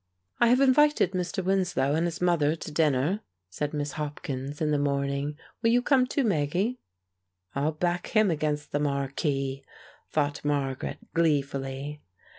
"I have invited Mr. Winslow and his mother to dinner," said Miss Hopkins, in the morning. "Will you come too, Maggie?" "I'll back him against the marquis," thought Margaret, gleefully.